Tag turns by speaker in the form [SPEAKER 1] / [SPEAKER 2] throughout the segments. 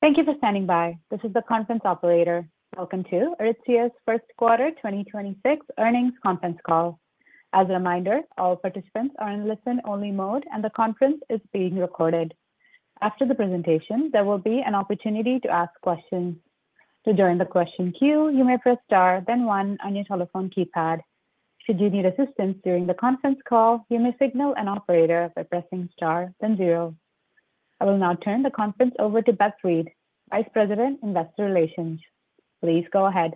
[SPEAKER 1] Thank you for standing by. This is the conference operator. Welcome to Aritzia's first quarter 2026 earnings conference call. As a reminder, all participants are in listen-only mode, and the conference is being recorded. After the presentation, there will be an opportunity to ask questions. To join the question queue, you may press star, then one on your telephone keypad. Should you need assistance during the conference call, you may signal an operator by pressing star, then zero. I will now turn the conference over to Beth Reed, Vice President, Investor Relations. Please go ahead.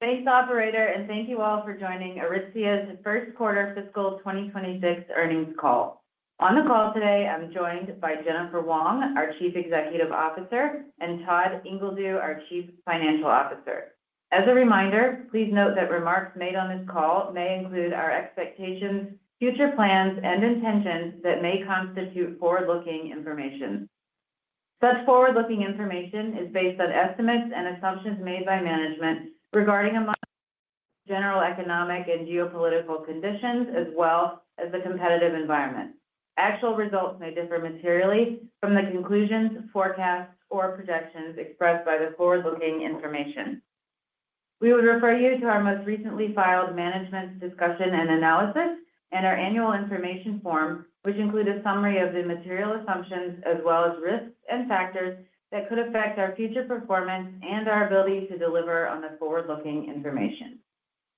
[SPEAKER 2] Thanks, operator, and thank you all for joining Aritzia's first quarter fiscal 2026 earnings call. On the call today, I'm joined by Jennifer Wong, our Chief Executive Officer, and Todd Ingledew, our Chief Financial Officer. As a reminder, please note that remarks made on this call may include our expectations, future plans, and intentions that may constitute forward-looking information. Such forward-looking information is based on estimates and assumptions made by management regarding general economic and geopolitical conditions, as well as the competitive environment. Actual results may differ materially from the conclusions, forecasts, or projections expressed by the forward-looking information. We would refer you to our most recently filed management discussion and analysis and our annual information form, which include a summary of the material assumptions as well as risks and factors that could affect our future performance and our ability to deliver on the forward-looking information.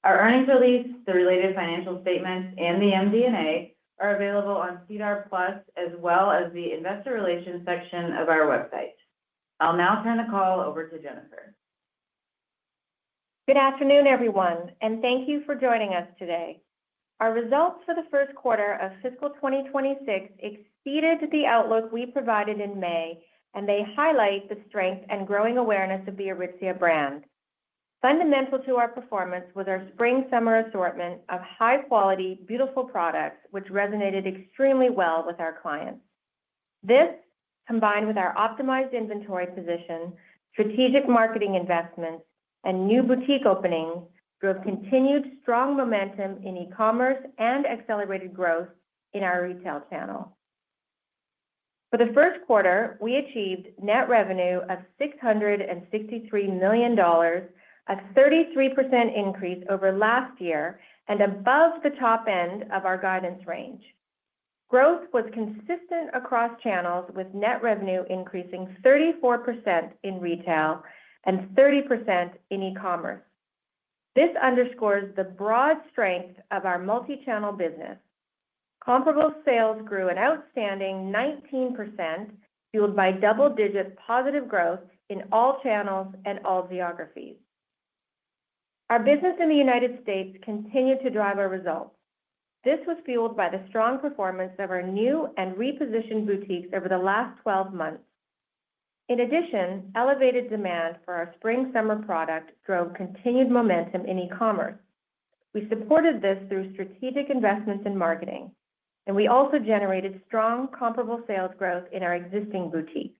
[SPEAKER 2] Our earnings release, the related financial statements, and the MD&A are available on CDAR Plus, as well as the Investor Relations section of our website. I'll now turn the call over to Jennifer.
[SPEAKER 3] Good afternoon, everyone, and thank you for joining us today. Our results for the first quarter of fiscal 2026 exceeded the outlook we provided in May, and they highlight the strength and growing awareness of the Aritzia brand. Fundamental to our performance was our spring/summer assortment of high-quality, beautiful products, which resonated extremely well with our clients. This, combined with our optimized inventory position, strategic marketing investments, and new boutique openings, drove continued strong momentum in e-commerce and accelerated growth in our retail channel. For the first quarter, we achieved net revenue of $663 million, a 33% increase over last year and above the top end of our guidance range. Growth was consistent across channels, with net revenue increasing 34% in retail and 30% in e-commerce. This underscores the broad strength of our multi-channel business. Comparable sales grew an outstanding 19%, fueled by double-digit positive growth in all channels and all geographies. Our business in the U.S. continued to drive our results. This was fueled by the strong performance of our new and repositioned boutiques over the last 12 months. In addition, elevated demand for our spring/summer product drove continued momentum in e-commerce. We supported this through strategic investments in marketing, and we also generated strong comparable sales growth in our existing boutiques.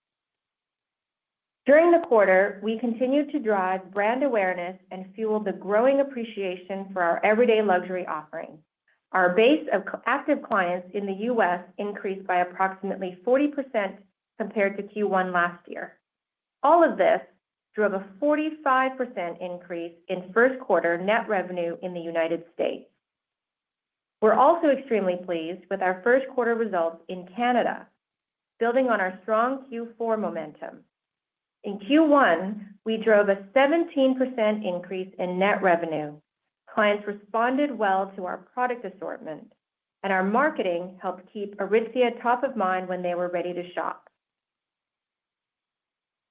[SPEAKER 3] During the quarter, we continued to drive brand awareness and fueled the growing appreciation for our everyday luxury offerings. Our base of active clients in the U.S. increased by approximately 40% compared to Q1 last year. All of this drove a 45% increase in first quarter net revenue in the U.S. We're also extremely pleased with our first quarter results in Canada, building on our strong Q4 momentum. In Q1, we drove a 17% increase in net revenue. Clients responded well to our product assortment, and our marketing helped keep Aritzia top of mind when they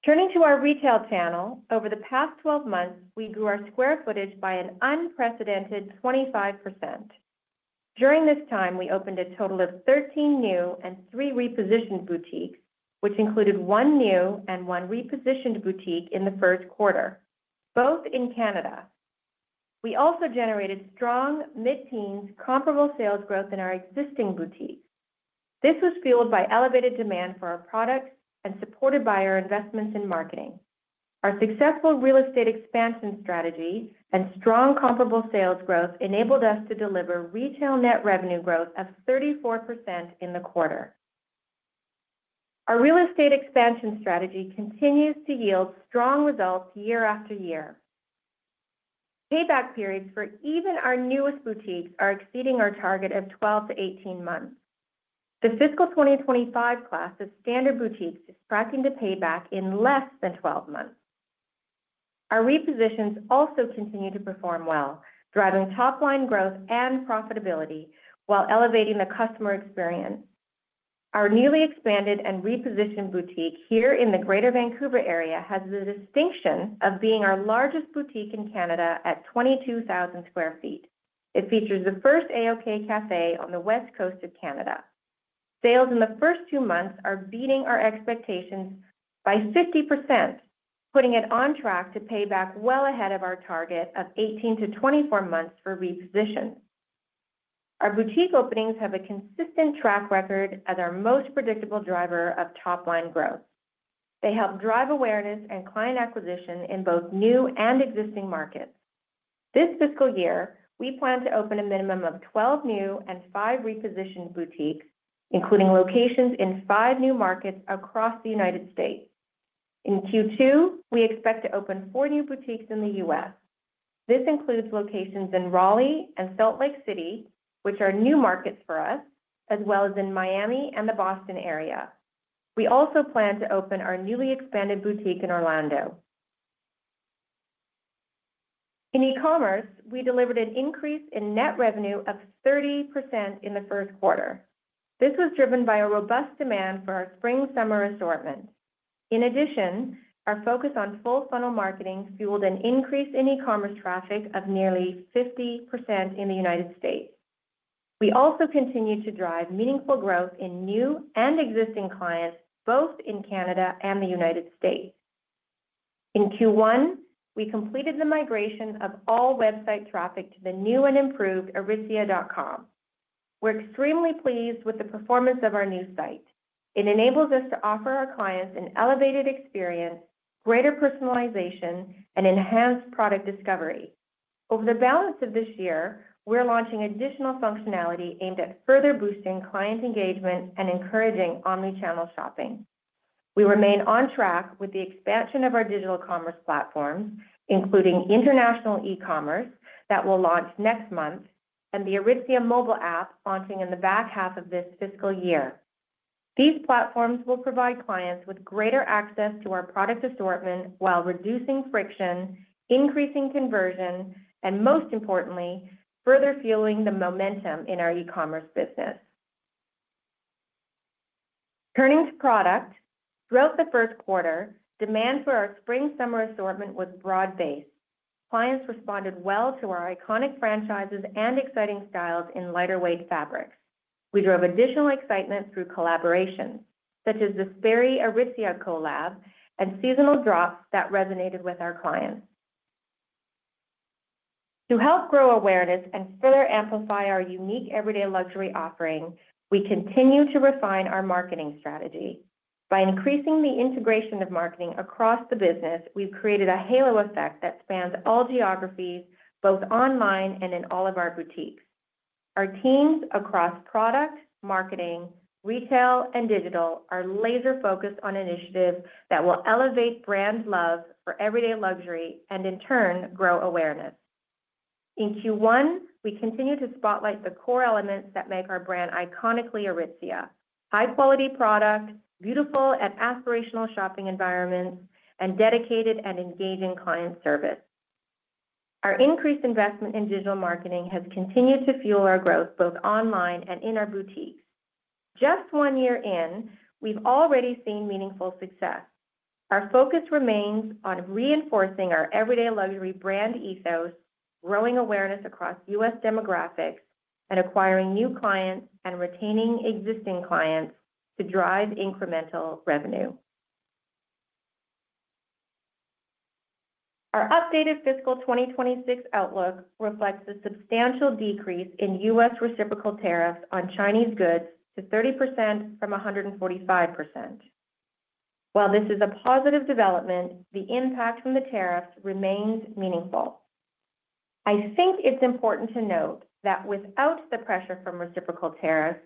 [SPEAKER 3] were ready to shop. Turning to our retail channel, over the past 12 months, we grew our square footage by an unprecedented 25%. During this time, we opened a total of 13 new and three repositioned boutiques, which included one new and one repositioned boutique in the first quarter, both in Canada. We also generated strong mid-teens comparable sales growth in our existing boutiques. This was fueled by elevated demand for our products and supported by our investments in marketing. Our successful real estate expansion strategy and strong comparable sales growth enabled us to deliver retail net revenue growth of 34% in the quarter. Our real estate expansion strategy continues to yield strong results year after year. Payback periods for even our newest boutiques are exceeding our target of 12-18 months. The fiscal 2025 class of standard boutiques is expecting to pay back in less than 12 months. Our repositions also continue to perform well, driving top-line growth and profitability while elevating the customer experience. Our newly expanded and repositioned boutique here in the Greater Vancouver area has the distinction of being our largest boutique in Canada at 22,000 square feet. It features the first AOK cafe on the west coast of Canada. Sales in the first two months are beating our expectations by 50%, putting it on track to pay back well ahead of our target of 18 to 24 months for repositions. Our boutique openings have a consistent track record as our most predictable driver of top-line growth. They help drive awareness and client acquisition in both new and existing markets. This fiscal year, we plan to open a minimum of 12 new and five repositioned boutiques, including locations in five new markets across the U.S. In Q2, we expect to open four new boutiques in the U.S. This includes locations in Raleigh and Salt Lake City, which are new markets for us, as well as in Miami and the Boston area. We also plan to open our newly expanded boutique in Orlando. In e-commerce, we delivered an increase in net revenue of 30% in the first quarter. This was driven by a robust demand for our spring/summer assortment. In addition, our focus on full-funnel marketing fueled an increase in e-commerce traffic of nearly 50% in the U.S. We also continue to drive meaningful growth in new and existing clients, both in Canada and the U.S. In Q1, we completed the migration of all website traffic to the new and improved aritzia.com. We're extremely pleased with the performance of our new site. It enables us to offer our clients an elevated experience, greater personalization, and enhanced product discovery. Over the balance of this year, we're launching additional functionality aimed at further boosting client engagement and encouraging omnichannel shopping. We remain on track with the expansion of our digital commerce platforms, including international e-commerce that will launch next month and the Aritzia mobile app launching in the back half of this fiscal year. These platforms will provide clients with greater access to our product assortment while reducing friction, increasing conversion, and most importantly, further fueling the momentum in our e-commerce business. Turning to product, throughout the first quarter, demand for our spring/summer assortment was broad-based. Clients responded well to our iconic franchises and exciting styles in lighter-weight fabrics. We drove additional excitement through collaborations, such as the Sperry Aritzia collab and seasonal drops that resonated with our clients. To help grow awareness and further amplify our unique everyday luxury offering, we continue to refine our marketing strategy. By increasing the integration of marketing across the business, we've created a halo effect that spans all geographies, both online and in all of our boutiques. Our teams across product, marketing, retail, and digital are laser-focused on initiatives that will elevate brand love for everyday luxury and, in turn, grow awareness. In Q1, we continue to spotlight the core elements that make our brand iconically Aritzia: high-quality product, beautiful and aspirational shopping environments, and dedicated and engaging client service. Our increased investment in digital marketing has continued to fuel our growth both online and in our boutiques. Just one year in, we've already seen meaningful success. Our focus remains on reinforcing our everyday luxury brand ethos, growing awareness across U.S. demographics, and acquiring new clients and retaining existing clients to drive incremental revenue. Our updated fiscal 2026 outlook reflects a substantial decrease in U.S. reciprocal tariffs on Chinese goods to 30% from 145%. While this is a positive development, the impact from the tariffs remains meaningful. I think it's important to note that without the pressure from reciprocal tariffs,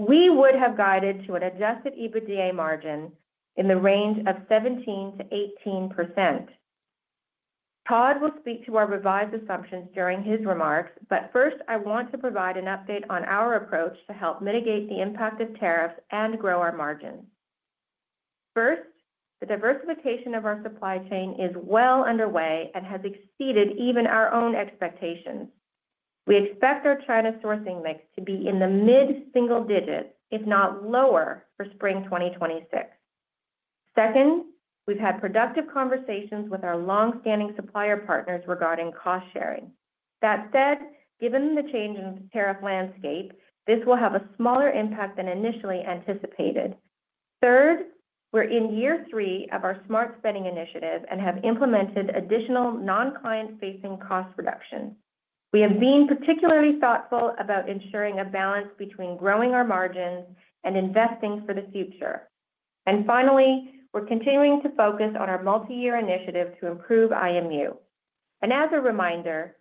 [SPEAKER 3] we would have guided to an adjusted EBITDA margin in the range of 17%-18%. Todd will speak to our revised assumptions during his remarks, but first, I want to provide an update on our approach to help mitigate the impact of tariffs and grow our margins. First, the diversification of our supply chain is well underway and has exceeded even our own expectations. We expect our China sourcing mix to be in the mid-single digits, if not lower, for spring 2026. Second, we've had productive conversations with our long-standing supplier partners regarding cost sharing. That said, given the change in the tariff landscape, this will have a smaller impact than initially anticipated. Third, we're in year three of our smart spending initiative and have implemented additional non-client-facing cost reductions. We have been particularly thoughtful about ensuring a balance between growing our margins and investing for the future. Finally, we're continuing to focus on our multi-year initiative to improve IMU. As a reminder,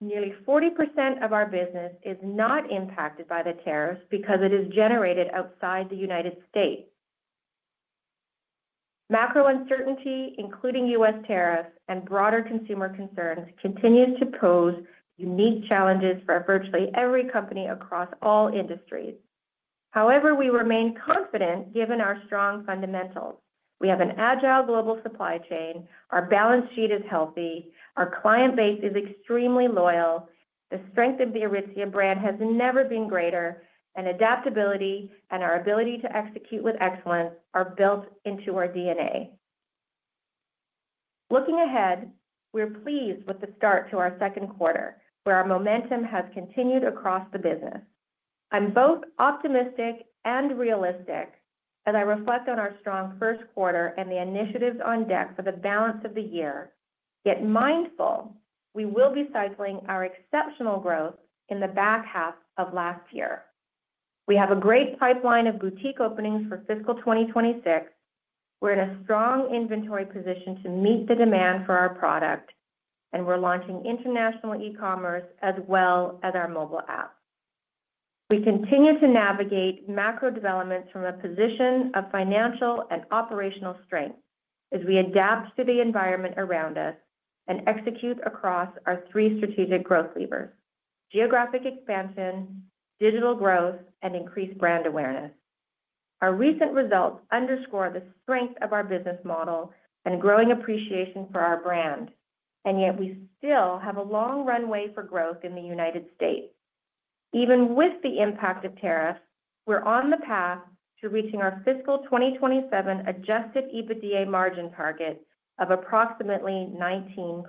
[SPEAKER 3] nearly 40% of our business is not impacted by the tariffs because it is generated outside the U.S. Macro uncertainty, including U.S. tariffs and broader consumer concerns, continues to pose unique challenges for virtually every company across all industries. However, we remain confident given our strong fundamentals. We have an agile global supply chain, our balance sheet is healthy, our client base is extremely loyal, the strength of the Aritzia brand has never been greater, and adaptability and our ability to execute with excellence are built into our DNA. Looking ahead, we're pleased with the start to our second quarter, where our momentum has continued across the business. I'm both optimistic and realistic as I reflect on our strong first quarter and the initiatives on deck for the balance of the year, yet mindful we will be cycling our exceptional growth in the back half of last year. We have a great pipeline of boutique openings for fiscal 2026. We're in a strong inventory position to meet the demand for our product, and we're launching international e-commerce as well as our mobile app. We continue to navigate macro developments from a position of financial and operational strength as we adapt to the environment around us and execute across our three strategic growth levers: geographic expansion, digital growth, and increased brand awareness. Our recent results underscore the strength of our business model and growing appreciation for our brand, and yet we still have a long runway for growth in the U.S. Even with the impact of tariffs, we're on the path to reaching our fiscal 2027 adjusted EBITDA margin target of approximately 19%.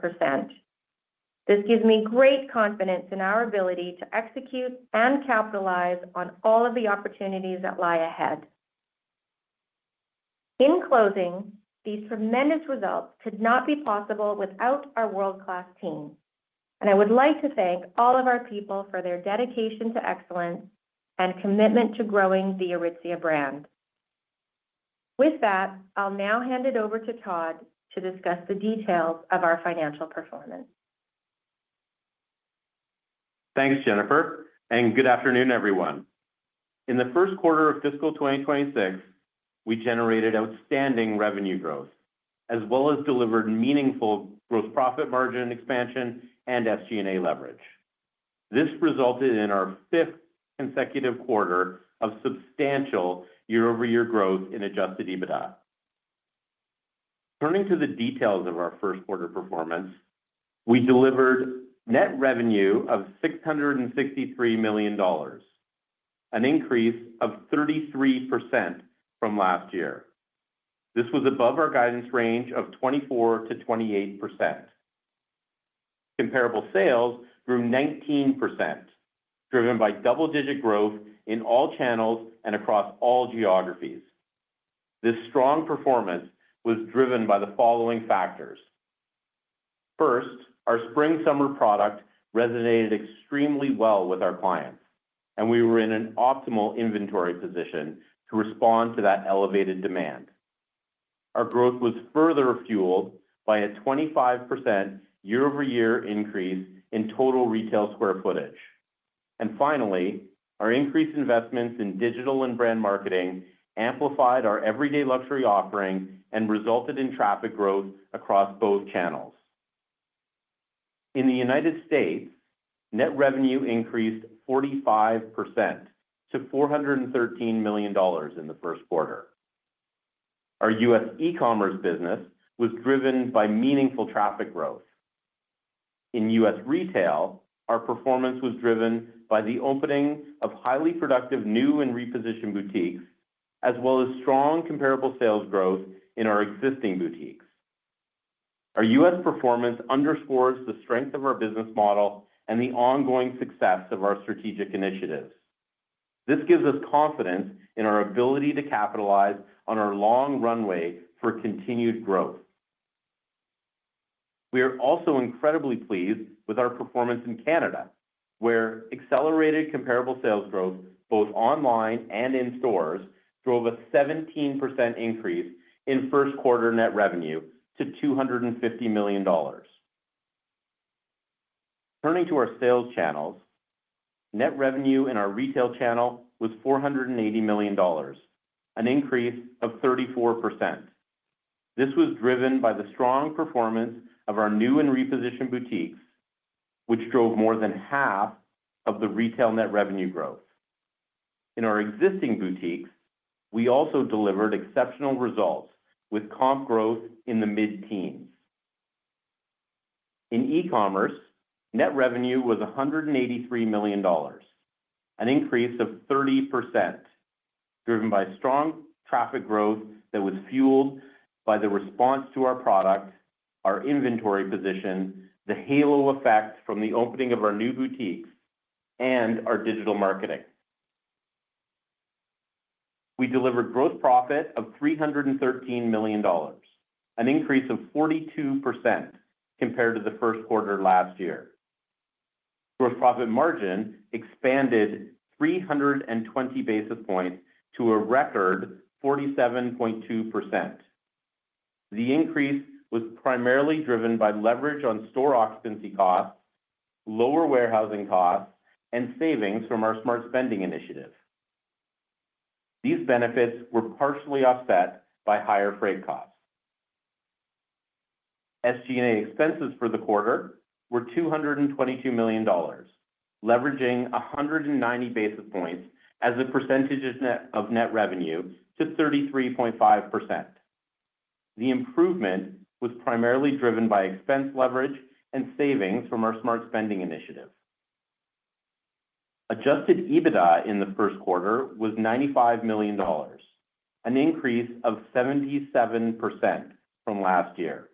[SPEAKER 3] This gives me great confidence in our ability to execute and capitalize on all of the opportunities that lie ahead. In closing, these tremendous results could not be possible without our world-class team, and I would like to thank all of our people for their dedication to excellence and commitment to growing the Aritzia brand. With that, I'll now hand it over to Todd to discuss the details of our financial performance.
[SPEAKER 4] Thanks, Jennifer, and good afternoon, everyone. In the first quarter of fiscal 2026, we generated outstanding revenue growth as well as delivered meaningful gross profit margin expansion and SG&A leverage. This resulted in our fifth consecutive quarter of substantial year-over-year growth in adjusted EBITDA. Turning to the details of our first quarter performance, we delivered net revenue of $663 million, an increase of 33% from last year. This was above our guidance range of 24%-28%. Comparable sales grew 19%, driven by double-digit growth in all channels and across all geographies. This strong performance was driven by the following factors. First, our spring/summer product resonated extremely well with our clients, and we were in an optimal inventory position to respond to that elevated demand. Our growth was further fueled by a 25% year-over-year increase in total retail square footage. Finally, our increased investments in digital and brand marketing amplified our everyday luxury offering and resulted in traffic growth across both channels. In the U.S., net revenue increased 45% to $413 million in the first quarter. Our U.S. e-commerce business was driven by meaningful traffic growth. In U.S. retail, our performance was driven by the opening of highly productive new and repositioned boutiques, as well as strong comparable sales growth in our existing boutiques. Our U.S. performance underscores the strength of our business model and the ongoing success of our strategic initiatives. This gives us confidence in our ability to capitalize on our long runway for continued growth. We are also incredibly pleased with our performance in Canada, where accelerated comparable sales growth, both online and in stores, drove a 17% increase in first quarter net revenue to $250 million. Turning to our sales channels, net revenue in our retail channel was $480 million, an increase of 34%. This was driven by the strong performance of our new and repositioned boutiques, which drove more than half of the retail net revenue growth. In our existing boutiques, we also delivered exceptional results with comp growth in the mid-teens. In e-commerce, net revenue was $183 million, an increase of 30%, driven by strong traffic growth that was fueled by the response to our product, our inventory position, the halo effect from the opening of our new boutiques, and our digital marketing. We delivered gross profit of $313 million, an increase of 42% compared to the first quarter last year. Gross profit margin expanded 320 basis points to a record 47.2%. The increase was primarily driven by leverage on store occupancy costs, lower warehousing costs, and savings from our smart spending initiative. These benefits were partially offset by higher freight costs. SG&A expenses for the quarter were $222 million, leveraging 190 basis points as a percentage of net revenue to 33.5%. The improvement was primarily driven by expense leverage and savings from our smart spending initiative. Adjusted EBITDA in the first quarter was $95 million, an increase of 77% from last year.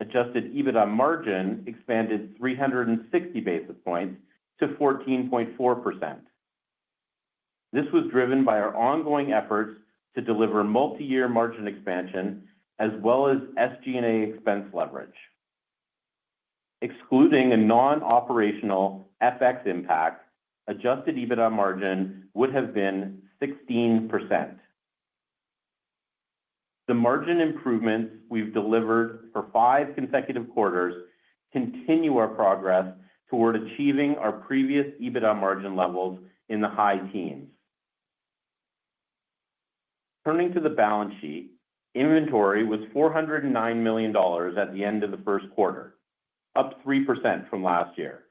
[SPEAKER 4] Adjusted EBITDA margin expanded 360 basis points to 14.4%. This was driven by our ongoing efforts to deliver multi-year margin expansion as well as SG&A expense leverage. Excluding a non-operational FX impact, adjusted EBITDA margin would have been 16%. The margin improvements we've delivered for five consecutive quarters continue our progress toward achieving our previous EBITDA margin levels in the high teens. Turning to the balance sheet, inventory was $409 million at the end of the first quarter, up 3% from last year.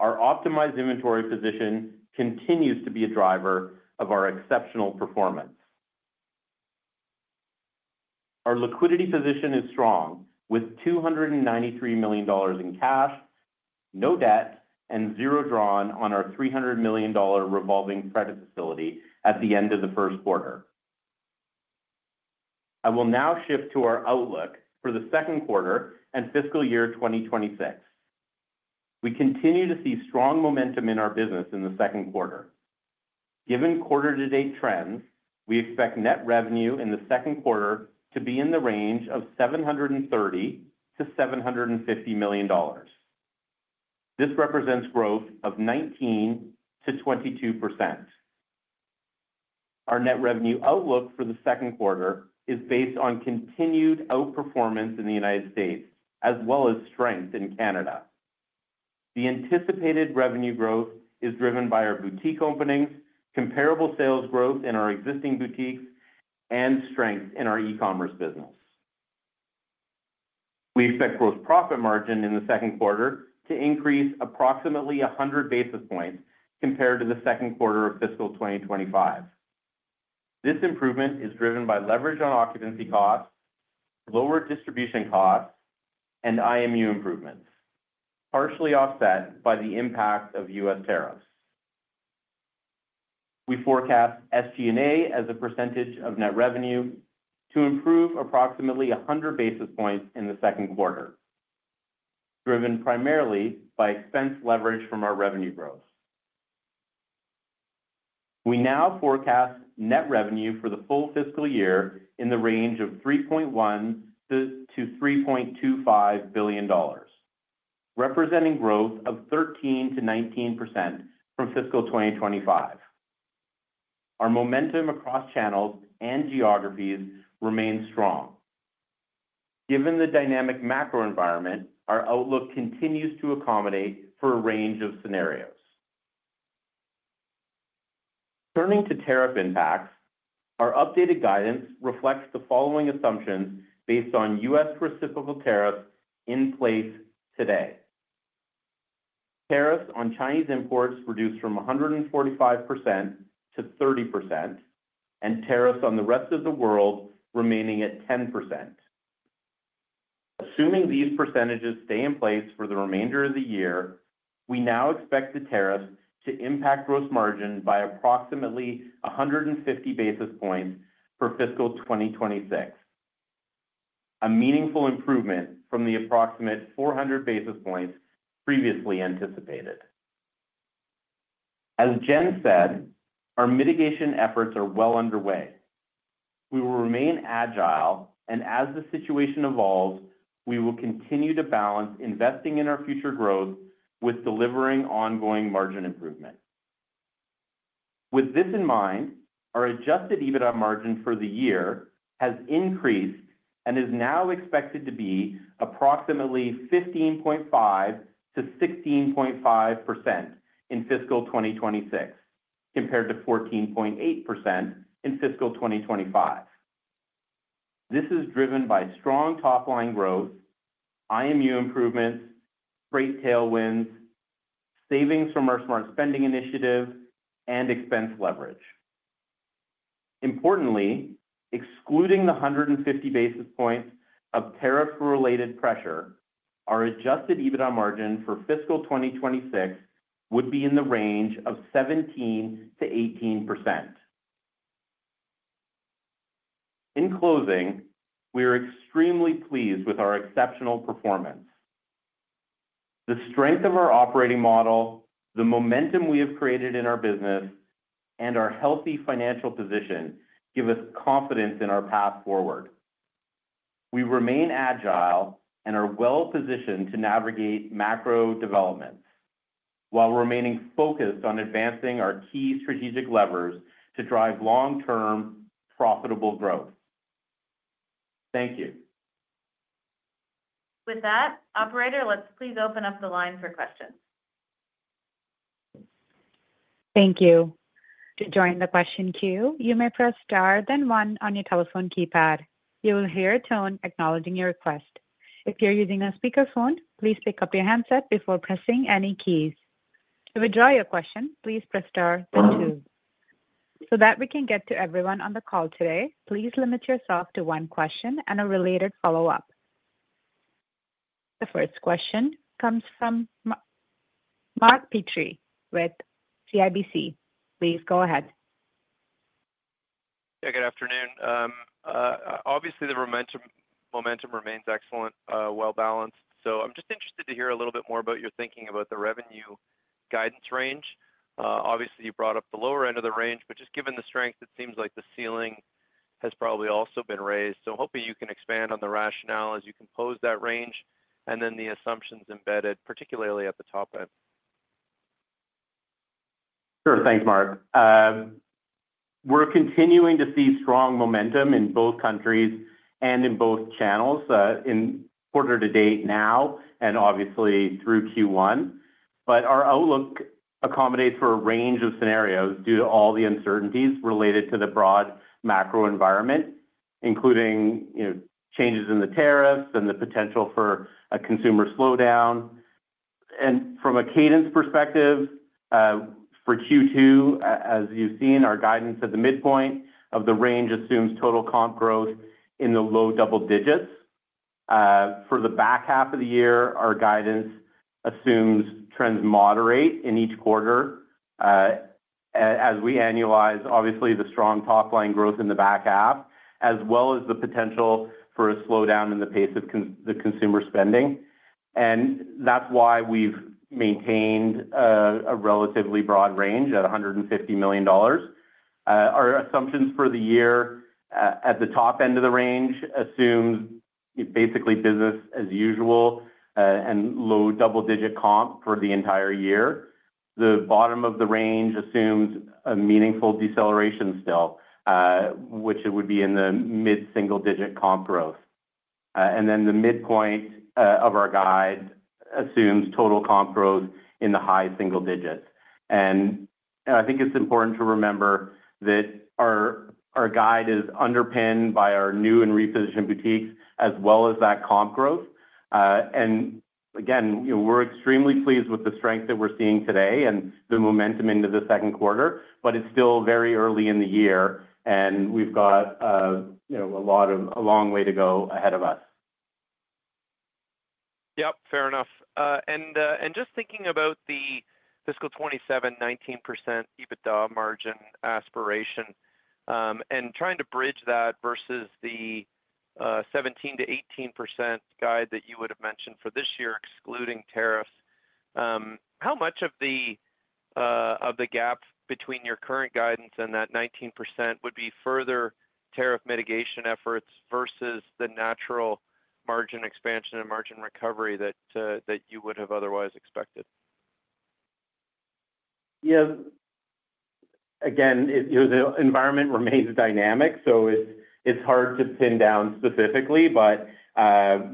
[SPEAKER 4] Our optimized inventory position continues to be a driver of our exceptional performance. Our liquidity position is strong with $293 million in cash, no debt, and zero drawn on our $300 million revolving credit facility at the end of the first quarter. I will now shift to our outlook for the second quarter and fiscal year 2026. We continue to see strong momentum in our business in the second quarter. Given quarter-to-date trends, we expect net revenue in the second quarter to be in the range of $730-$750 million. This represents growth of 19%-22%. Our net revenue outlook for the second quarter is based on continued outperformance in the U.S., as well as strength in Canada. The anticipated revenue growth is driven by our boutique openings, comparable sales growth in our existing boutiques, and strength in our e-commerce business. We expect gross profit margin in the second quarter to increase approximately 100 basis points compared to the second quarter of fiscal 2025. This improvement is driven by leverage on occupancy costs, lower distribution costs, and IMU improvements, partially offset by the impact of U.S. tariffs. We forecast SG&A as a percentage of net revenue to improve approximately 100 basis points in the second quarter, driven primarily by expense leverage from our revenue growth. We now forecast net revenue for the full fiscal year in the range of $3.1 billion to $3.25 billion, representing growth of 13%-19% from fiscal 2025. Our momentum across channels and geographies remains strong. Given the dynamic macro environment, our outlook continues to accommodate for a range of scenarios. Turning to tariff impacts, our updated guidance reflects the following assumptions based on U.S. reciprocal tariffs in place today. Tariffs on Chinese imports reduced from 145%-30%, and tariffs on the rest of the world remaining at 10%. Assuming these percentages stay in place for the remainder of the year, we now expect the tariffs to impact gross margin by approximately 150 basis points for fiscal 2026, a meaningful improvement from the approximate 400 basis points previously anticipated. As Jen said, our mitigation efforts are well underway. We will remain agile, and as the situation evolves, we will continue to balance investing in our future growth with delivering ongoing margin improvement. With this in mind, our adjusted EBITDA margin for the year has increased and is now expected to be approximately 15.5%-16.5% in fiscal 2026, compared to 14.8% in fiscal 2025. This is driven by strong top-line growth, IMU improvements, freight tailwinds, savings from our smart spending initiative, and expense leverage. Importantly, excluding the 150 basis points of tariff-related pressure, our adjusted EBITDA margin for fiscal 2026 would be in the range of 17%-18%. In closing, we are extremely pleased with our exceptional performance. The strength of our operating model, the momentum we have created in our business, and our healthy financial position give us confidence in our path forward. We remain agile and are well-positioned to navigate macro developments while remaining focused on advancing our key strategic levers to drive long-term profitable growth. Thank you.
[SPEAKER 2] With that, operator, let's please open up the line for questions.
[SPEAKER 1] Thank you. To join the question queue, you may press star, then one on your telephone keypad. You will hear a tone acknowledging your request. If you're using a speakerphone, please pick up your handset before pressing any keys. To withdraw your question, please press star, then two. So that we can get to everyone on the call today, please limit yourself to one question and a related follow-up. The first question comes from Mark Robert Petrie with CIBC Capital Markets. Please go ahead.
[SPEAKER 5] Good afternoon. Obviously, the momentum remains excellent, well-balanced. I'm just interested to hear a little bit more about your thinking about the revenue guidance range. Obviously, you brought up the lower end of the range, but given the strength, it seems like the ceiling has probably also been raised. I'm hoping you can expand on the rationale as you compose that range and then the assumptions embedded, particularly at the top end.
[SPEAKER 4] Sure. Thanks, Mark. We're continuing to see strong momentum in both countries and in both channels in quarter to date now and obviously through Q1. Our outlook accommodates for a range of scenarios due to all the uncertainties related to the broad macro environment, including changes in the tariffs and the potential for a consumer slowdown. From a cadence perspective, for Q2, as you've seen, our guidance at the midpoint of the range assumes total comp growth in the low double digits. For the back half of the year, our guidance assumes trends moderate in each quarter as we annualize, obviously, the strong top-line growth in the back half, as well as the potential for a slowdown in the pace of the consumer spending. That's why we've maintained a relatively broad range at $150 million. Our assumptions for the year at the top end of the range assume basically business as usual and low double-digit comp for the entire year. The bottom of the range assumes a meaningful deceleration still, which it would be in the mid-single-digit comp growth. The midpoint of our guide assumes total comp growth in the high single digits. I think it's important to remember that our guide is underpinned by our new and repositioned boutiques, as well as that comp growth. We're extremely pleased with the strength that we're seeing today and the momentum into the second quarter, but it's still very early in the year, and we've got a lot of a long way to go ahead of us.
[SPEAKER 5] Fair enough. Just thinking about the fiscal 2027 19% EBITDA margin aspiration and trying to bridge that versus the 17%-18% guide that you would have mentioned for this year, excluding tariffs, how much of the gap between your current guidance and that 19% would be further tariff mitigation efforts versus the natural margin expansion and margin recovery that you would have otherwise expected?
[SPEAKER 4] Yeah. The environment remains dynamic, so it's hard to pin down specifically, but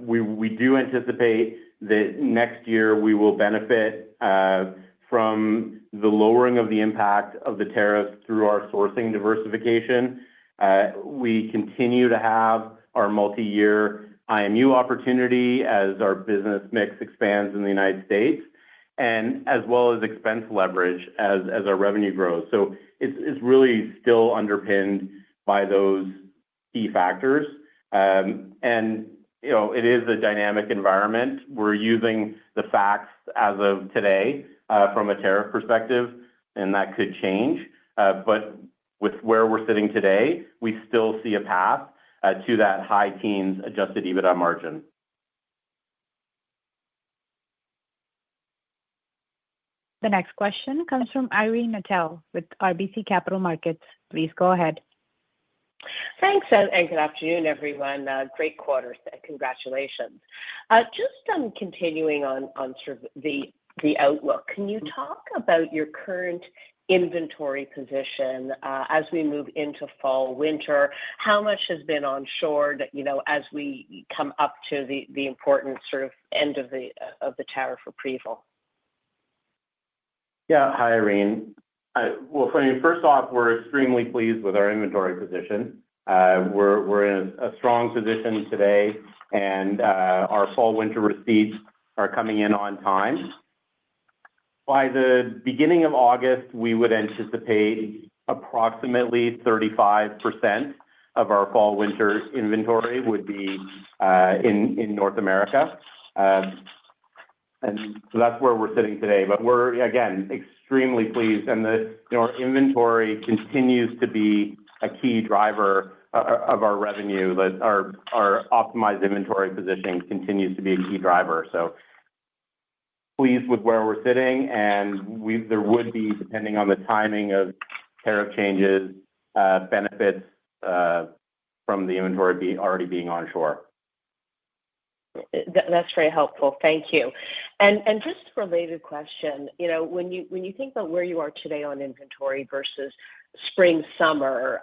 [SPEAKER 4] we do anticipate that next year we will benefit from the lowering of the impact of the tariffs through our sourcing diversification. We continue to have our multi-year IMU opportunity as our business mix expands in the U.S., as well as expense leverage as our revenue grows. It's really still underpinned by those key factors. It is a dynamic environment. We're using the facts as of today from a tariff perspective, and that could change. With where we're sitting today, we still see a path to that high-teens adjusted EBITDA margin.
[SPEAKER 1] The next question comes from Irene Ora Nattel with RBC Capital Markets. Please go ahead.
[SPEAKER 6] Thanks, and good afternoon, everyone. Great quarter. Congratulations. Just continuing on sort of the outlook, can you talk about your current inventory position as we move into fall, winter? How much has been onshored as we come up to the important sort of end of the tariff approval?
[SPEAKER 4] Hi, Irene. First off, we're extremely pleased with our inventory position. We're in a strong position today, and our fall, winter receipts are coming in on time. By the beginning of August, we would anticipate approximately 35% of our fall, winter inventory would be in North America. That's where we're sitting today. We're extremely pleased, and our inventory continues to be a key driver of our revenue. Our optimized inventory position continues to be a key driver. Pleased with where we're sitting, and there would be, depending on the timing of tariff changes, benefits from the inventory already being onshore.
[SPEAKER 6] That's very helpful. Thank you. Just a related question, when you think about where you are today on inventory versus spring/summer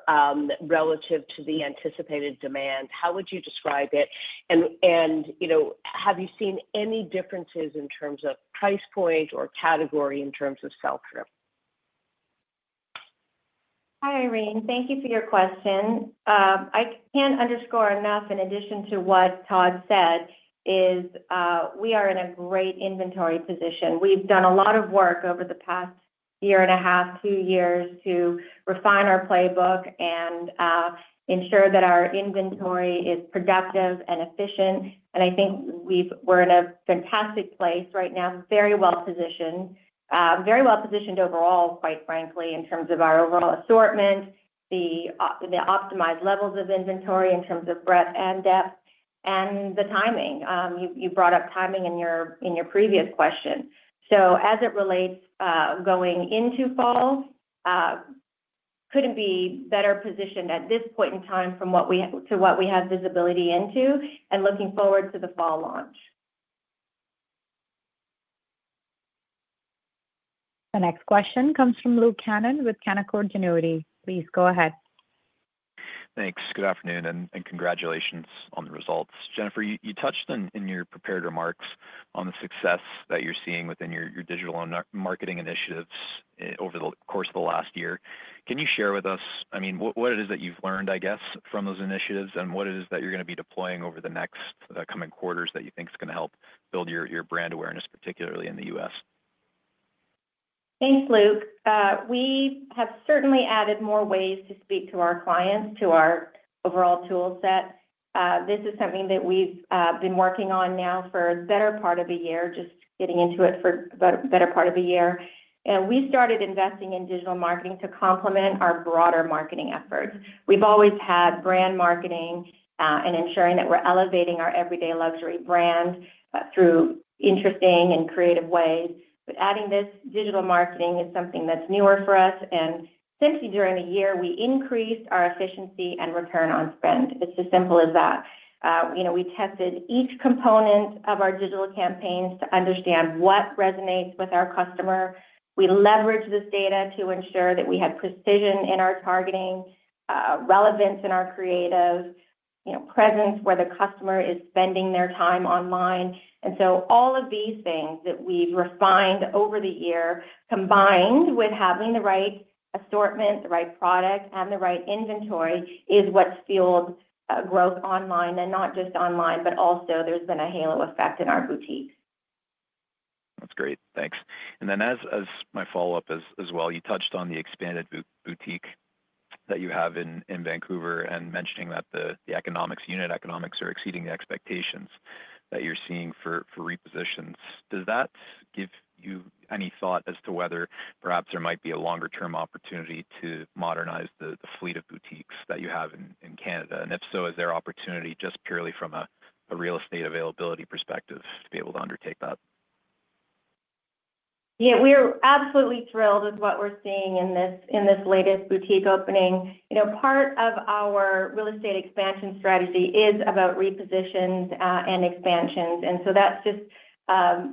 [SPEAKER 6] relative to the anticipated demand, how would you describe it? Have you seen any differences in terms of price point or category in terms of sell-through?
[SPEAKER 3] Hi, Irene. Thank you for your question. I can't underscore enough, in addition to what Todd said, we are in a great inventory position. We've done a lot of work over the past year and a half, two years, to refine our playbook and ensure that our inventory is productive and efficient. I think we're in a fantastic place right now, very well positioned, very well positioned overall, quite frankly, in terms of our overall assortment, the optimized levels of inventory in terms of breadth and depth, and the timing. You brought up timing in your previous question. As it relates going into fall, couldn't be better positioned at this point in time from what we to what we have visibility into and looking forward to the fall launch.
[SPEAKER 1] The next question comes from Luke Hannan with Canaccord Genuity Corp. Please go ahead.
[SPEAKER 7] Thanks. Good afternoon, and congratulations on the results. Jennifer, you touched in your prepared remarks on the success that you're seeing within your digital marketing initiatives over the course of the last year. Can you share with us what it is that you've learned from those initiatives and what it is that you're going to be deploying over the next coming quarters that you think is going to help build your brand awareness, particularly in the U.S.?
[SPEAKER 3] Thanks, Luke. We have certainly added more ways to speak to our clients to our overall toolset. This is something that we've been working on now for a better part of a year, just getting into it for a better part of a year. We started investing in digital marketing to complement our broader marketing efforts. We've always had brand marketing and ensuring that we're elevating our everyday luxury brand through interesting and creative ways. Adding this digital marketing is something that's newer for us. Essentially, during the year, we increased our efficiency and return on spend. It's as simple as that. We tested each component of our digital campaigns to understand what resonates with our customer. We leveraged this data to ensure that we had precision in our targeting, relevance in our creative, presence where the customer is spending their time online. All of these things that we've refined over the year, combined with having the right assortment, the right product, and the right inventory, is what's fueled growth online, and not just online, but also there's been a halo effect in our boutiques.
[SPEAKER 7] That's great. Thanks. As my follow-up as well, you touched on the expanded boutique that you have in Vancouver and mentioning that the economics, unit economics, are exceeding the expectations that you're seeing for repositions. Does that give you any thought as to whether perhaps there might be a longer-term opportunity to modernize the fleet of boutiques that you have in Canada? If so, is there opportunity just purely from a real estate availability perspective to be able to undertake that?
[SPEAKER 3] Yeah, we are absolutely thrilled with what we're seeing in this latest boutique opening. Part of our real estate expansion strategy is about repositions and expansions. That's just a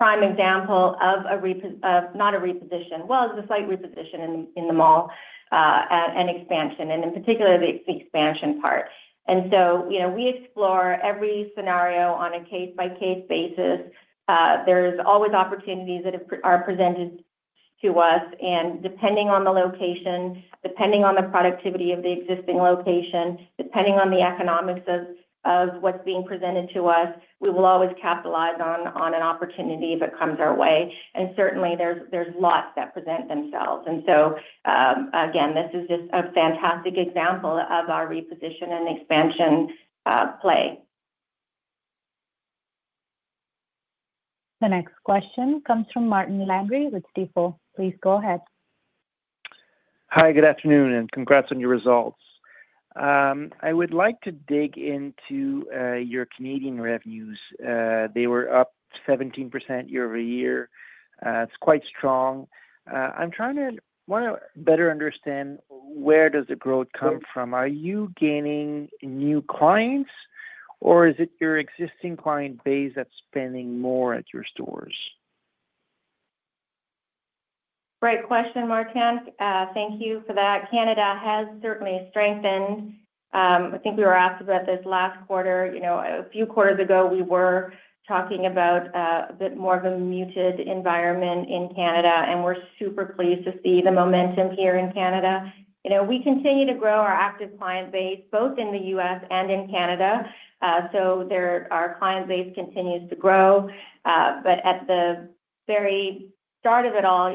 [SPEAKER 3] prime example of a, not a reposition, well, it's a slight reposition in the mall and expansion, in particular, the expansion part. We explore every scenario on a case-by-case basis. There are always opportunities that are presented to us. Depending on the location, depending on the productivity of the existing location, depending on the economics of what's being presented to us, we will always capitalize on an opportunity if it comes our way. Certainly, there are lots that present themselves. This is just a fantastic example of our reposition and expansion play.
[SPEAKER 1] The next question comes from Martin Landry with Stifel. Please go ahead.
[SPEAKER 8] Hi, good afternoon, and congrats on your results. I would like to dig into your Canadian revenues. They were up 17% year over year. It's quite strong. I want to better understand where does the growth come from? Are you gaining new clients, or is it your existing client base that's spending more at your stores?
[SPEAKER 3] Great question, Martin. Thank you for that. Canada has certainly strengthened. I think we were asked about this last quarter. A few quarters ago, we were talking about a bit more of a muted environment in Canada, and we're super pleased to see the momentum here in Canada. We continue to grow our active client base, both in the U.S. and in Canada, so our client base continues to grow. At the very start of it all,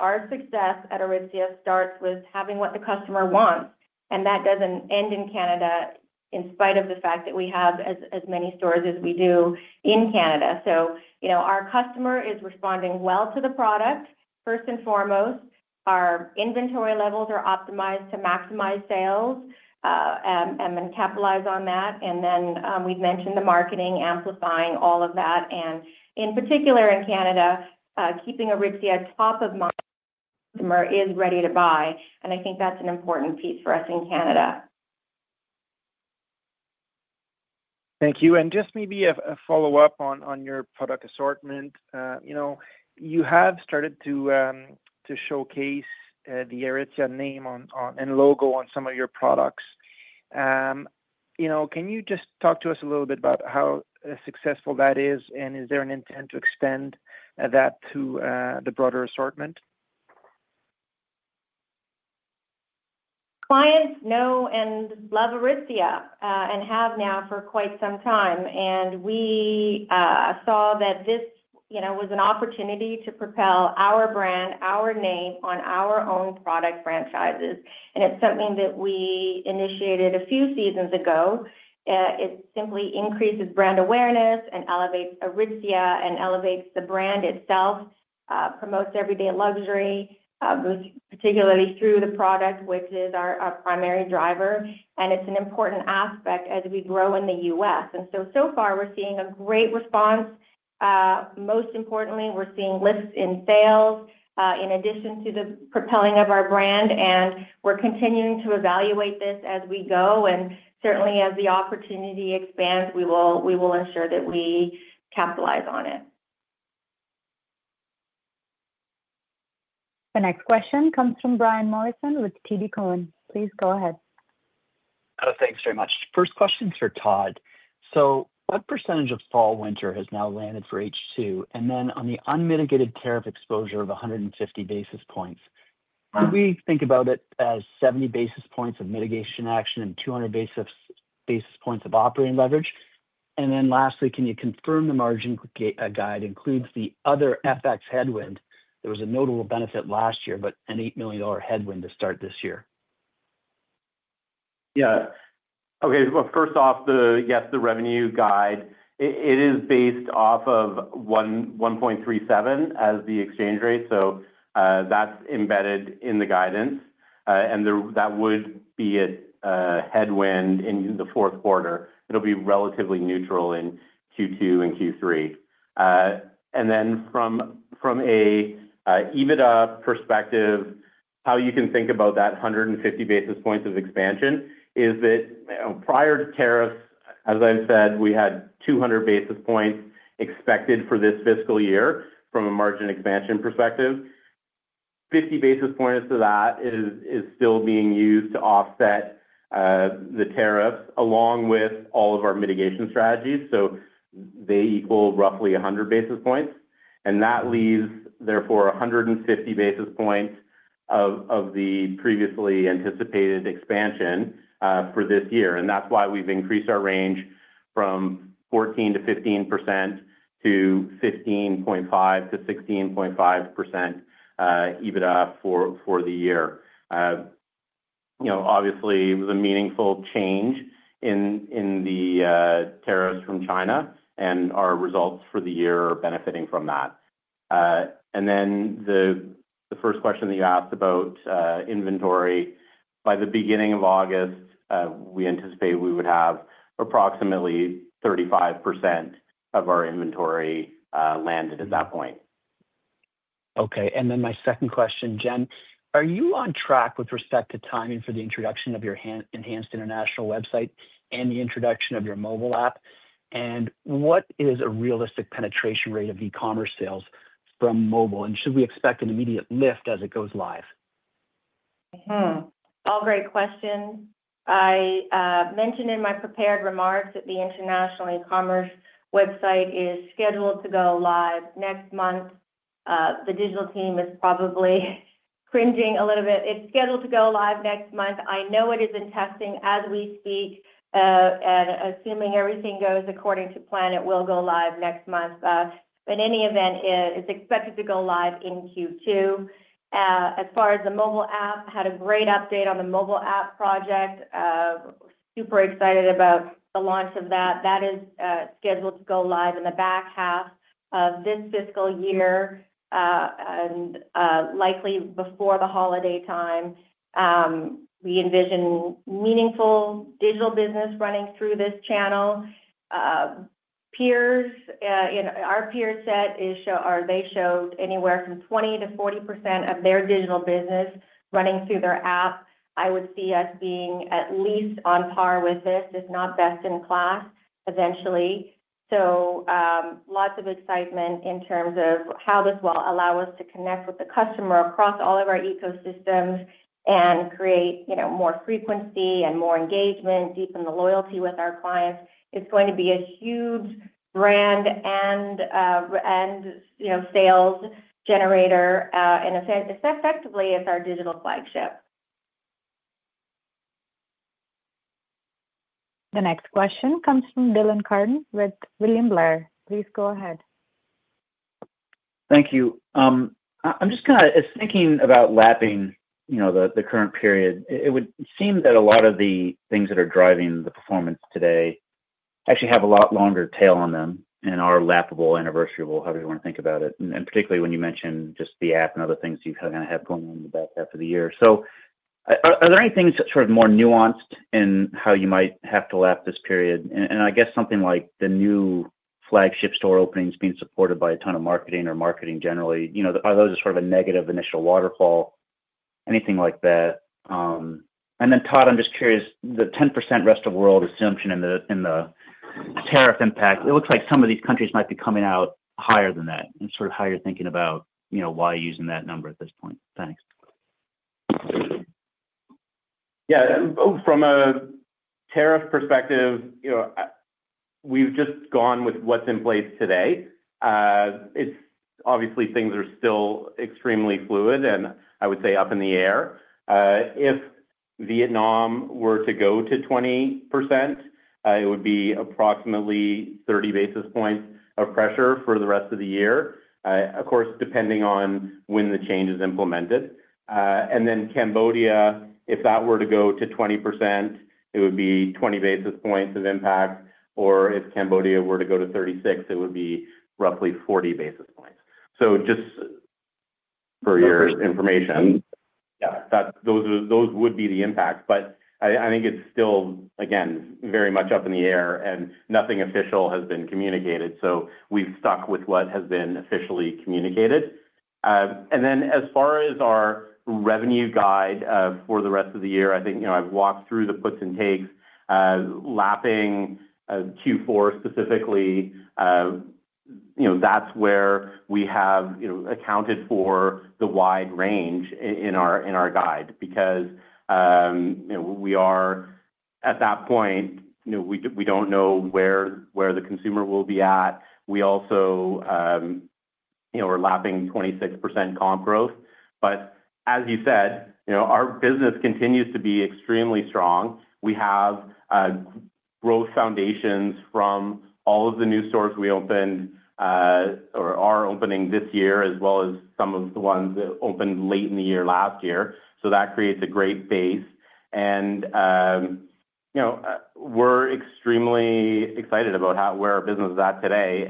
[SPEAKER 3] our success at Aritzia starts with having what the customer wants, and that doesn't end in Canada, in spite of the fact that we have as many stores as we do in Canada. Our customer is responding well to the product, first and foremost. Our inventory levels are optimized to maximize sales and then capitalize on that. We've mentioned the marketing, amplifying all of that. In particular, in Canada, keeping Aritzia top of mind, the customer is ready to buy. I think that's an important piece for us in Canada.
[SPEAKER 8] Thank you. Maybe a follow-up on your product assortment. You have started to showcase the Aritzia name and logo on some of your products. Can you talk to us a little bit about how successful that is, and is there an intent to expand that to the broader assortment?
[SPEAKER 3] Clients know and love Aritzia and have now for quite some time. We saw that this was an opportunity to propel our brand, our name on our own product franchises. It is something that we initiated a few seasons ago. It simply increases brand awareness and elevates Aritzia and elevates the brand itself, promotes everyday luxury, particularly through the product, which is our primary driver. It is an important aspect as we grow in the U.S. So far, we're seeing a great response. Most importantly, we're seeing lifts in sales in addition to the propelling of our brand. We're continuing to evaluate this as we go. Certainly, as the opportunity expands, we will ensure that we capitalize on it.
[SPEAKER 1] The next question comes from Brian Morrison with TD Cowen. Please go ahead.
[SPEAKER 9] Thanks very much. First question is for Todd. What percentage of fall/winter has now landed for H2? On the unmitigated tariff exposure of 150 basis points, could we think about it as 70 basis points of mitigation action and 200 basis points of operating leverage? Lastly, can you confirm the margin guide includes the other FX headwind? There was a notable benefit last year, but an $8 million headwind to start this year.
[SPEAKER 4] Okay. First off, yes, the revenue guide is based off of 1.37 as the exchange rate. That's embedded in the guidance. That would be a headwind in the fourth quarter. It'll be relatively neutral in Q2 and Q3. From an EBITDA perspective, how you can think about that 150 basis points of expansion is that prior to tariffs, as I've said, we had 200 basis points expected for this fiscal year from a margin expansion perspective. Fifty basis points to that is still being used to offset the tariffs along with all of our mitigation strategies. They equal roughly 100 basis points. That leaves, therefore, 150 basis points of the previously anticipated expansion for this year. That's why we've increased our range from 14% to 15% to 15.5% to 16.5% EBITDA for the year. Obviously, it was a meaningful change in the tariffs from China, and our results for the year are benefiting from that. The first question that you asked about inventory, by the beginning of August, we anticipate we would have approximately 35% of our inventory landed at that point.
[SPEAKER 9] Okay. My second question, Jen, are you on track with respect to timing for the introduction of your enhanced international website and the introduction of your mobile app? What is a realistic penetration rate of e-commerce sales from mobile? Should we expect an immediate lift as it goes live?
[SPEAKER 3] All great questions. I mentioned in my prepared remarks that the international e-commerce website is scheduled to go live next month. The digital team is probably cringing a little bit. It's scheduled to go live next month. I know it is in testing as we speak. Assuming everything goes according to plan, it will go live next month. In any event, it's expected to go live in Q2. As far as the mobile app, I had a great update on the mobile app project. Super excited about the launch of that. That is scheduled to go live in the back half of this fiscal year and likely before the holiday time. We envision meaningful digital business running through this channel. Our peer set showed anywhere from 20%-40% of their digital business running through their app. I would see us being at least on par with this, if not best in class, eventually. Lots of excitement in terms of how this will allow us to connect with the customer across all of our ecosystems and create more frequency and more engagement, deepen the loyalty with our clients. It's going to be a huge brand and sales generator. Effectively, it's our digital flagship.
[SPEAKER 1] The next question comes from Dylan Douglas Carden with William Blair & Company. Please go ahead.
[SPEAKER 10] Thank you. I'm just kind of thinking about lapping the current period. It would seem that a lot of the things that are driving the performance today actually have a lot longer tail on them and are lappable, anniversarial, however you want to think about it, and particularly when you mentioned just the app and other things you kind of have going on in the back half of the year. Are there any things that are sort of more nuanced in how you might have to lap this period? I guess something like the new flagship store openings being supported by a ton of marketing or marketing generally, you know, are those just sort of a negative initial waterfall? Anything like that? Todd, I'm just curious, the 10% rest of the world assumption and the tariff impact, it looks like some of these countries might be coming out higher than that. How are you thinking about, you know, why using that number at this point? Thanks.
[SPEAKER 4] Yeah. From a tariff perspective, we've just gone with what's in place today. It's obviously, things are still extremely fluid and I would say up in the air. If Vietnam were to go to 20%, it would be approximately 30 basis points of pressure for the rest of the year, of course, depending on when the change is implemented. If Cambodia were to go to 20%, it would be 20 basis points of impact. If Cambodia were to go to 36%, it would be roughly 40 basis points. Just for your information, those would be the impacts. I think it's still, again, very much up in the air, and nothing official has been communicated. We've stuck with what has been officially communicated. As far as our revenue guide for the rest of the year, I think I've walked through the puts and takes. Lapping Q4 specifically, that's where we have accounted for the wide range in our guide because we are at that point, we don't know where the consumer will be at. We also are lapping 26% comp growth. As you said, our business continues to be extremely strong. We have growth foundations from all of the new stores we opened or are opening this year, as well as some of the ones that opened late in the year last year. That creates a great base. We're extremely excited about where our business is at today.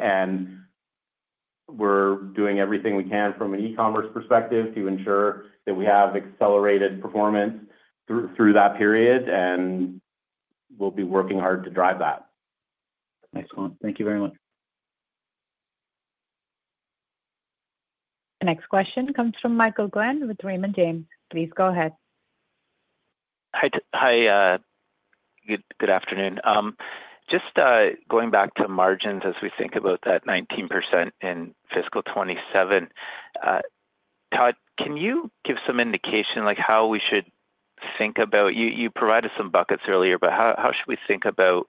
[SPEAKER 4] We're doing everything we can from an e-commerce perspective to ensure that we have accelerated performance through that period. We'll be working hard to drive that.
[SPEAKER 7] Excellent. Thank you very much.
[SPEAKER 1] The next question comes from Michael W. Glen with Raymond James Ltd. Please go ahead.
[SPEAKER 11] Hi. Good afternoon. Just going back to margins as we think about that 19% in fiscal 2027, Todd, can you give some indication like how we should think about you provided some buckets earlier, but how should we think about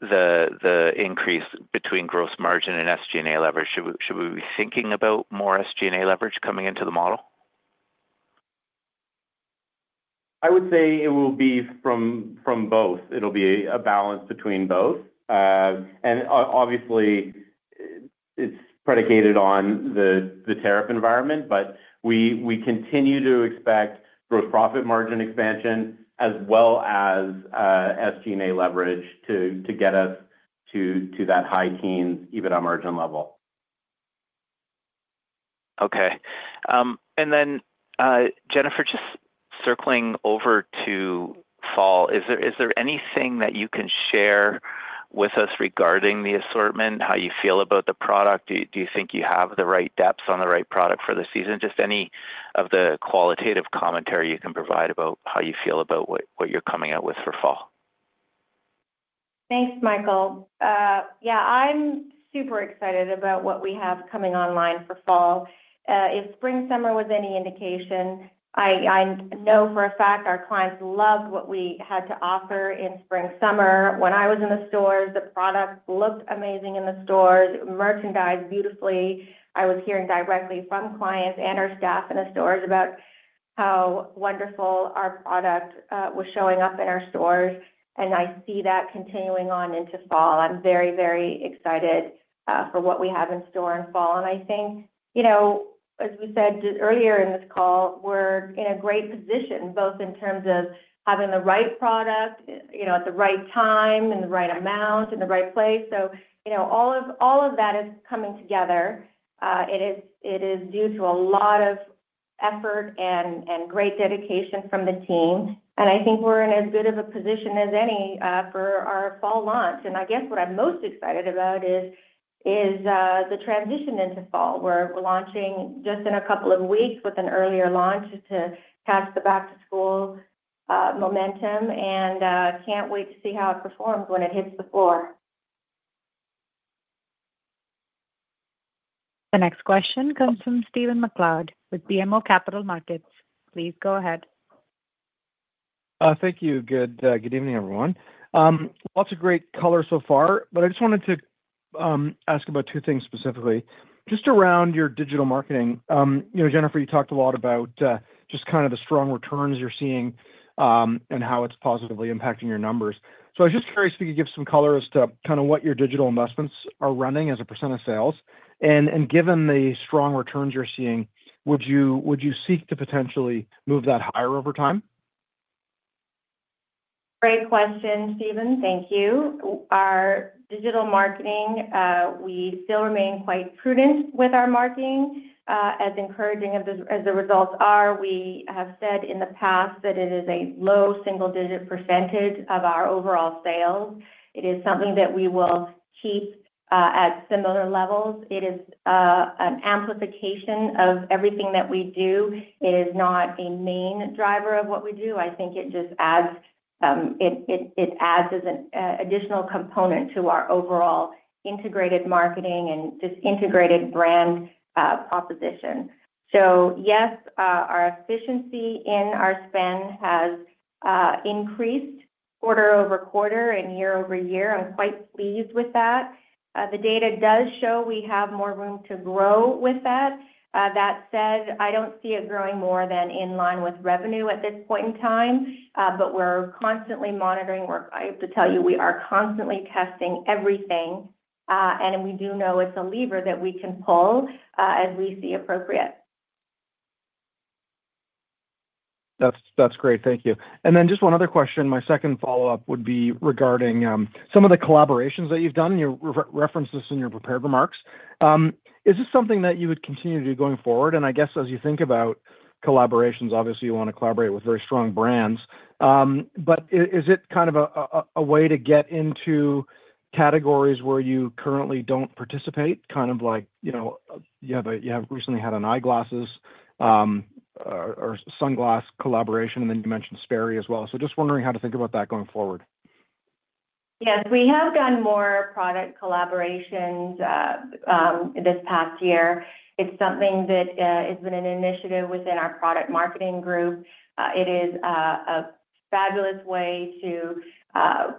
[SPEAKER 11] the increase between gross margin and SG&A leverage? Should we be thinking about more SG&A leverage coming into the model?
[SPEAKER 4] I would say it will be from both. It'll be a balance between both. Obviously, it's predicated on the tariff environment, but we continue to expect gross profit margin expansion as well as SG&A leverage to get us to that high-teens EBITDA margin level.
[SPEAKER 11] Okay. Jennifer, just circling over to fall, is there anything that you can share with us regarding the assortment, how you feel about the product? Do you think you have the right depths on the right product for the season? Any of the qualitative commentary you can provide about how you feel about what you're coming out with for fall.
[SPEAKER 3] Thanks, Michael. Yeah, I'm super excited about what we have coming online for fall. If spring/summer was any indication, I know for a fact our clients loved what we had to offer in spring/summer. When I was in the stores, the product looked amazing in the stores, merchandised beautifully. I was hearing directly from clients and our staff in the stores about how wonderful our product was showing up in our stores. I see that continuing on into fall. I'm very, very excited for what we have in store in fall. I think, you know, as we said earlier in this call, we're in a great position both in terms of having the right product, you know, at the right time and the right amount in the right place. All of that is coming together. It is due to a lot of effort and great dedication from the team. I think we're in as good of a position as any for our fall launch. I guess what I'm most excited about is the transition into fall. We're launching just in a couple of weeks with an earlier launch to catch the back-to-school momentum. I can't wait to see how it performs when it hits the floor.
[SPEAKER 1] The next question comes from Stephen MacLeod with BMO Capital Markets. Please go ahead.
[SPEAKER 12] Thank you. Good evening, everyone. Lots of great color so far, but I just wanted to ask about two things specifically. Just around your digital marketing, you know, Jennifer, you talked a lot about just kind of the strong returns you're seeing and how it's positively impacting your numbers. I was just curious if you could give some color as to kind of what your digital investments are running as a % of sales. Given the strong returns you're seeing, would you seek to potentially move that higher over time?
[SPEAKER 3] Great question, Stephen. Thank you. Our digital marketing, we still remain quite prudent with our marketing. As encouraging as the results are, we have said in the past that it is a low single-digit % of our overall sales. It is something that we will keep at similar levels. It is an amplification of everything that we do. It is not a main driver of what we do. I think it just adds as an additional component to our overall integrated marketing and just integrated brand proposition. Yes, our efficiency in our spend has increased quarter over quarter and year over year. I'm quite pleased with that. The data does show we have more room to grow with that. That said, I don't see it growing more than in line with revenue at this point in time. We're constantly monitoring. I have to tell you, we are constantly testing everything. We do know it's a lever that we can pull as we see appropriate.
[SPEAKER 13] That's great. Thank you. One other question. My second follow-up would be regarding some of the collaborations that you've done and your references in your prepared remarks. Is this something that you would continue to do going forward? As you think about collaborations, obviously, you want to collaborate with very strong brands. Is it kind of a way to get into categories where you currently don't participate? You have recently had an eyeglasses or sunglass collaboration, and you mentioned Sperry as well. Just wondering how to think about that going forward.
[SPEAKER 3] Yes, we have done more product collaborations this past year. It's something that has been an initiative within our product marketing group. It is a fabulous way to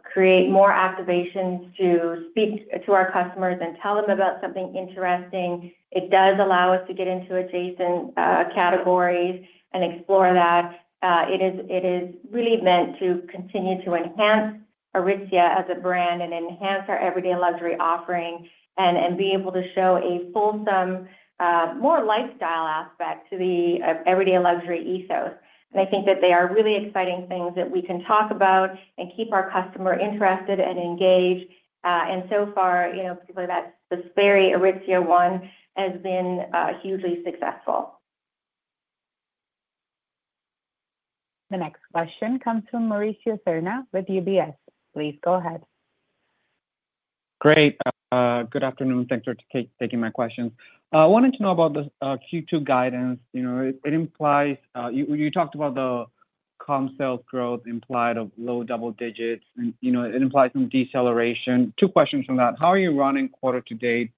[SPEAKER 3] create more activations to speak to our customers and tell them about something interesting. It does allow us to get into adjacent categories and explore that. It is really meant to continue to enhance Aritzia as a brand and enhance our everyday luxury offering and be able to show a fulsome, more lifestyle aspect to the everyday luxury ethos. I think that they are really exciting things that we can talk about and keep our customer interested and engaged. So far, you know, particularly that the Sperry Aritzia one has been hugely successful.
[SPEAKER 1] The next question comes from Mauricio Serna Vega with UBS Investment Bank. Please go ahead.
[SPEAKER 14] Great. Good afternoon. Thanks for taking my questions. I wanted to know about the Q2 guidance. You talked about the comp sales growth implied of low double digits, and it implies some deceleration. Two questions on that. How are you running quarter to date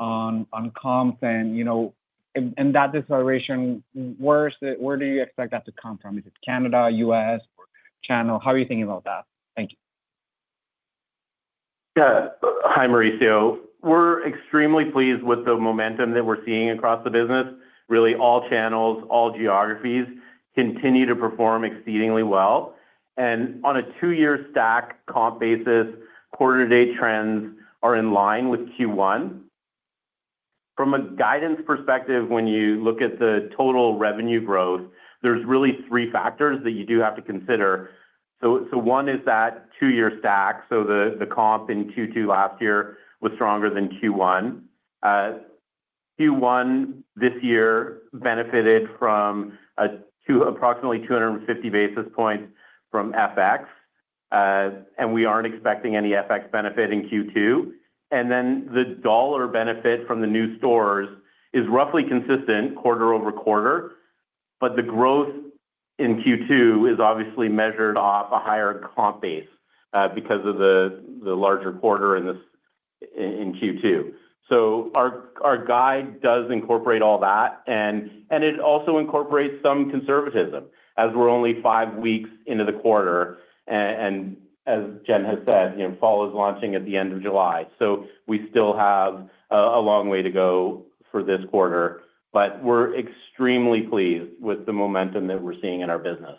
[SPEAKER 14] on comps? That deceleration, where do you expect that to come from? Is it Canada, U.S., or channel? How are you thinking about that? Thank you.
[SPEAKER 4] Yeah. Hi, Mauricio. We're extremely pleased with the momentum that we're seeing across the business. Really, all channels, all geographies continue to perform exceedingly well. On a two-year stack comp basis, quarter-to-date trends are in line with Q1. From a guidance perspective, when you look at the total revenue growth, there are really three factors that you do have to consider. One is that two-year stack. The comp in Q2 last year was stronger than Q1. Q1 this year benefited from approximately 250 basis points from FX. We aren't expecting any FX benefit in Q2. The dollar benefit from the new stores is roughly consistent quarter over quarter. The growth in Q2 is obviously measured off a higher comp base because of the larger quarter in Q2. Our guide does incorporate all that. It also incorporates some conservatism as we're only five weeks into the quarter. As Jen has said, fall is launching at the end of July. We still have a long way to go for this quarter. We're extremely pleased with the momentum that we're seeing in our business.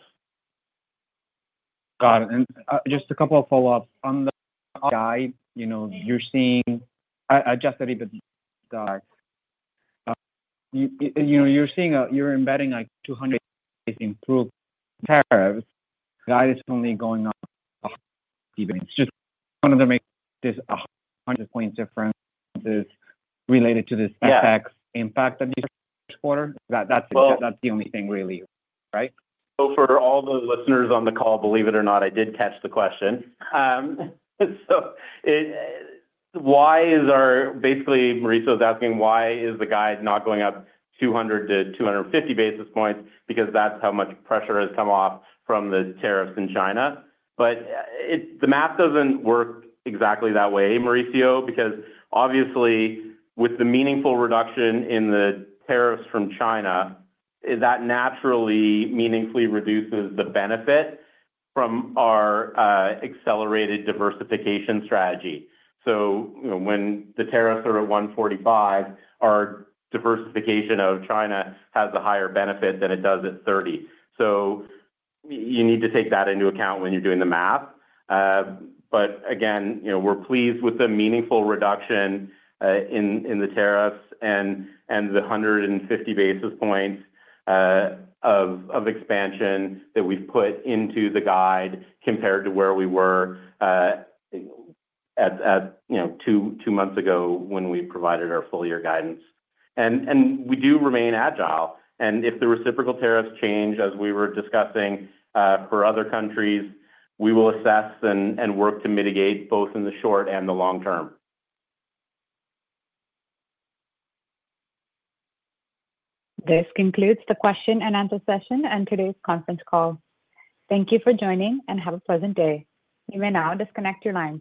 [SPEAKER 14] Got it. Just a couple of follow-ups. On the guide, you know, you're seeing I adjust a little bit. You know, you're seeing you're embedding like 200 basis points improved tariffs. The guide is only going up 100 basis points. Just wanted to make this 100-point difference related to this FX impact that you said this quarter. That's it. That's the only thing really, right?
[SPEAKER 4] For all the listeners on the call, believe it or not, I did catch the question. Why is our, basically, Mauricio is asking, why is the guide not going up 200-250 basis points? That's how much pressure has come off from the tariffs in China. The math doesn't work exactly that way, Mauricio, because obviously, with the meaningful reduction in the tariffs from China, that naturally meaningfully reduces the benefit from our accelerated diversification strategy. When the tariffs are at 145, our diversification of China has a higher benefit than it does at 30. You need to take that into account when you're doing the math. Again, we're pleased with the meaningful reduction in the tariffs and the 150 basis points of expansion that we've put into the guide compared to where we were at two months ago when we provided our full-year guidance. We do remain agile, and if the reciprocal tariffs change, as we were discussing for other countries, we will assess and work to mitigate both in the short and the long term.
[SPEAKER 1] This concludes the question and answer session and today's conference call. Thank you for joining and have a pleasant day. You may now disconnect your line.